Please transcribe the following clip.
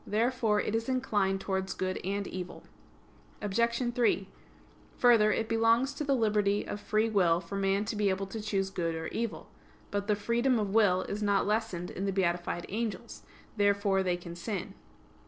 Therefore it is inclined towards good and evil. Obj. 3: Further, it belongs to the liberty of free will for man to be able to choose good or evil. But the freedom of will is not lessened in the beatified angels. Therefore they can sin.